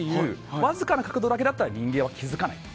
わずかな角度だけだったら人間は気づかない。